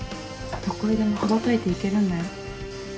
どこへでも羽ばたいていけるんだよ。